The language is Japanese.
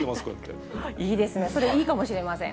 いいですね、それいいかもしれません。